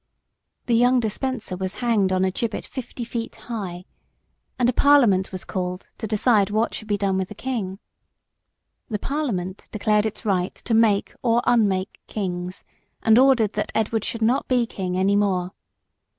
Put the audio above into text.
The young Despenser was hanged on a gibbet fifty feet high, and a Parliament was called to decide what should be done with the king. The Parliament declared its right to make or unmake kings, and ordered that Edward should not be king any more.